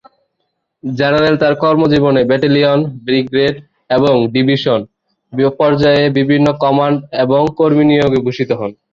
General তার কর্মজীবনে battalion, brigade এবং ডিভিশন পর্যায়ে বিভিন্ন কমান্ড এবং কর্মী নিয়োগে ভূষিত হন।